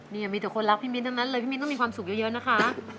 นี่มีแต่คนรักพี่มิ้นทั้งนั้นเลยพี่มิ้นต้องมีความสุขเยอะนะคะ